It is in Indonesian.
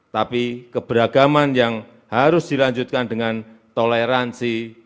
tapi keberagaman yang harus dilanjutkan dengan toleransi